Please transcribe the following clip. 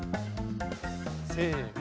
せの。